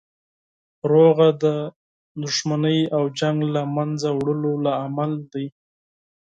سوله د دښمنۍ او جنګ له مینځه وړلو لامل دی.